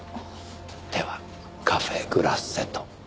ではカフェ・グラッセと。